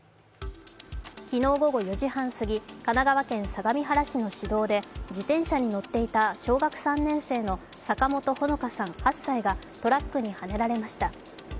昨日午後４時半すぎ、神奈川県相模原市の市道で自転車に乗っていた小学３年生の坂本穂香さん、８歳がトラックにはねられました。